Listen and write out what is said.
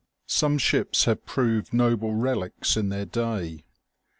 OLD 8EIF& 191 Some ships have proved noble relics in their day.